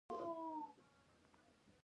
دا د سیاسي اسلام معرفت عمده برخه جوړوي.